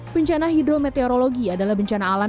bencana hidrometeorologi adalah bencana alam yang menyebabkan